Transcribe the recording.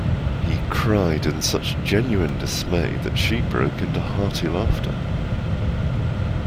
He cried in such genuine dismay that she broke into hearty laughter.